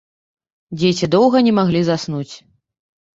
Дзеці доўга не маглі заснуць.